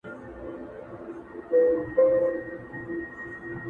اسان به نه وي خو ديدن به دې کومه داسې~